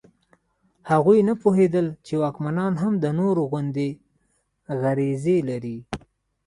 هغوی نه پوهېدل چې واکمنان هم د نورو غوندې غریزې لري.